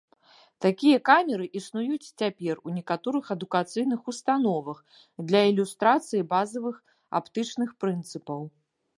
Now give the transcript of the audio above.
Такія камеры існуюць і цяпер у некаторых адукацыйных установах для ілюстрацыі базавых аптычных прынцыпаў.